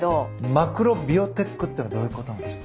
マクロビオティックってのはどういうことなんでしょう？